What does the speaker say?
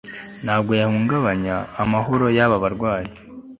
ntabwo yahungabanya amahoro y'aba barwanyi